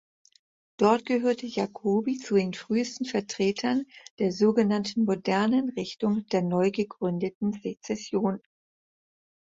Dort gehörte Jacoby zu den frühesten Vertretern der sogenannten modernen Richtung der neugegründeten Sezession.